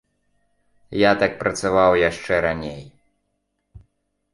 Я так працаваў яшчэ раней.